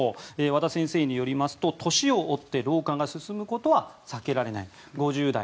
和田先生によりますと年を追って老化が進むことは避けられない。